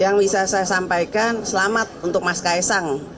yang bisa saya sampaikan selamat untuk mas kaisang